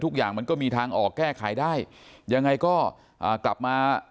มันก็มีทางออกแก้ไขได้ยังไงก็อ่ากลับมา